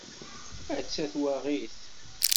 Atta twaɣit!